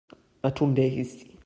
Attendez ici.